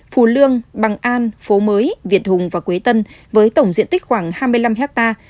phù lương bằng an phố mới việt hùng và quế tân với tổng diện tích khoảng hai mươi năm hectare